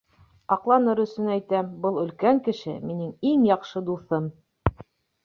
Аҡланыр өсөн әйтәм: был өлкән кеше-минең иң яҡшы дуҫым.